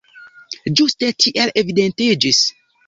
Ĝuste tiel evidentiĝis.